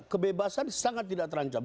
kebebasan sangat tidak terancam